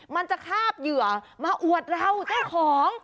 มันจะคาบเหยื่อมาอวดเราเจ้าของ